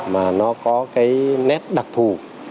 mà nó có cái nét đặc thù